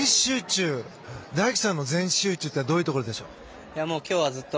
大輝さんの全集中というのはどういうことでしょう。